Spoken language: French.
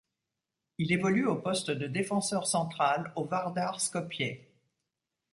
Il évolue au poste de défenseur central au Vardar Skopje.